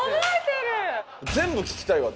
全部聞きたいわ。